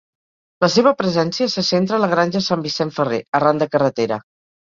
La seva presència se centra en la Granja Sant Vicent Ferrer, arran de carretera.